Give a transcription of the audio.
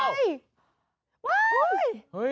อุ๊ย